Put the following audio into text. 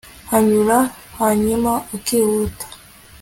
kunyura, hanyuma ukihuta